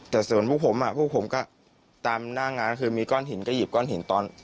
แต่ส่วนพวกผมพวกผมก็ตามหน้างานคือมีก้อนหินก็หยิบก้อนหินตอน